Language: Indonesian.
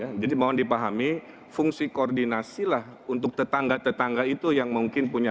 ya jadi mohon dipahami fungsi koordinasi lah untuk tetangga tetangga itu yang mungkin punya